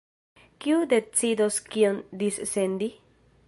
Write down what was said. Kiu decidos kion dissendi?